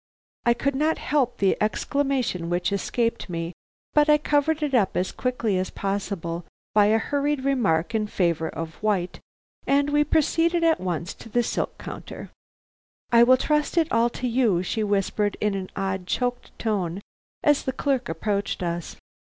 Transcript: I could not help the exclamation which escaped me; but I covered it up as quickly as possible by a hurried remark in favor of white, and we proceeded at once to the silk counter. "I will trust it all to you," she whispered in an odd, choked tone as the clerk approached us.